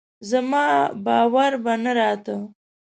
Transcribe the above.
زما باور به نه راته